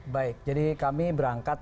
baik jadi kami berangkat